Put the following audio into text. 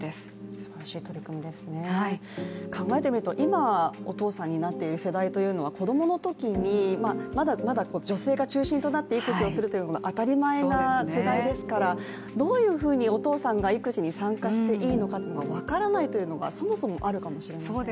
すばらしい取り組みですね、考えてみると今お父さんになっている世代というのは子供のときに、まだまだ女性が中心となって育児するというのが当たり前な世代ですから、どういうふうにお父さんが育児に参加していいかが分からないというのがそもそもあるかもしれませんよね。